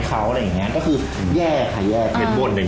ใกล้เย็นมาก